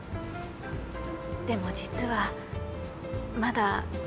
でも実はまだ。